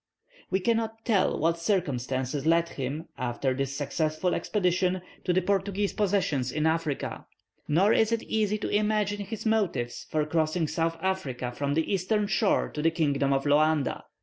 We cannot tell what circumstances led him, after this successful expedition, to the Portuguese possessions in Africa; nor is it easy to imagine his motive for crossing South Africa from the eastern shore to the kingdom of Loanda.